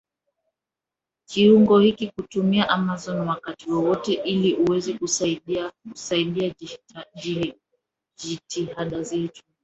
kiungo hiki kutumia Amazon wakati wowote ili uweze kusaidia kusaidia jitihada zetu